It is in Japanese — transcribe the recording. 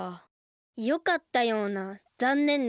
よかったようなざんねんなような。